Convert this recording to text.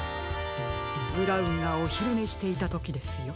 ブラウンがおひるねしていたときですよ。